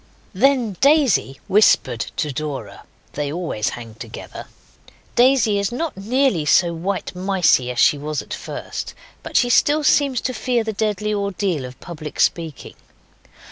Then Daisy whispered to Dora they always hang together. Daisy is not nearly so white micey as she was at first, but she still seems to fear the deadly ordeal of public speaking.